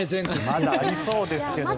まだありそうですけどね。